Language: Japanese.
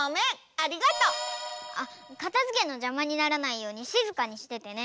ありがとう！あっかたづけのじゃまにならないようにしずかにしててね。